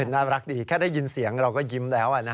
น่ารักดีแค่ได้ยินเสียงเราก็ยิ้มแล้ว